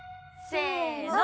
せの！